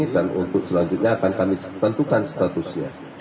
dan untuk selanjutnya akan kami tentukan statusnya